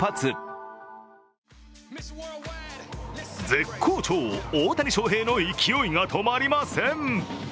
絶好調・大谷翔平の勢いが止まりません。